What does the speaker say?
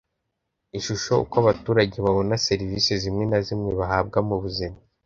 Ishusho uko abaturage babona serivisi zimwe na zimwe bahabwa mu buzima